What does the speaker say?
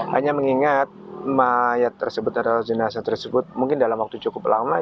hanya mengingat mayat tersebut atau jenazah tersebut mungkin dalam waktu cukup lama